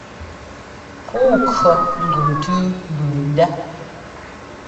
Puu kʉɔ gʉ ntʉ́u mbʉʉ ndá.